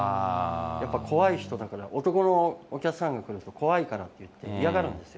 やっぱ怖い人とか、男のお客さんが来ると怖いからって、嫌がるんですよ。